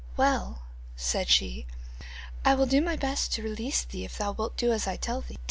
'Well,' said she, 'I will do my best to release thee if thou wilt do as I tell thee.